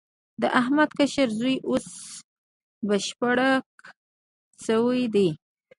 د احمد کشر زوی اوس بشپړک شوی دی.